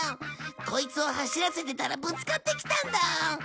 こいつを走らせてたらぶつかってきたんだ！